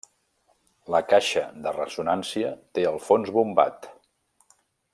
La caixa de ressonància té el fons bombat.